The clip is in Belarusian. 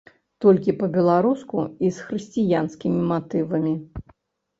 Толькі па-беларуску і з хрысціянскімі матывамі.